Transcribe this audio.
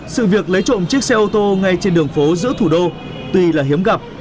sự việc lấy trộm chiếc xe ô tô ngay trên đường phố giữa thủ đô tuy là hiếm gặp